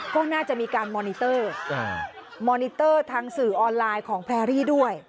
ก็น่าจะมีการมอนิเตอร์มอนิเตอร์ทางสื่อออนไลน์ของแพรรี่ด้วย